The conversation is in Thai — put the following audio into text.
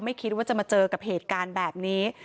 ไม่คิดว่าจะมาเจอกับเหตุการณ์แบบนี้